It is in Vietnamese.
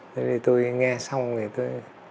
thế thì tôi nghe xong thì tôi